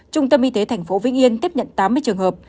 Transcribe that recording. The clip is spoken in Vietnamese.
trung tâm y tế tp vĩnh yên tiếp nhận tám mươi trường hợp